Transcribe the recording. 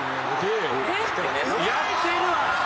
やってるわ！